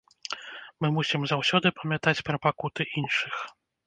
Мы мусім заўсёды памятаць пра пакуты іншых.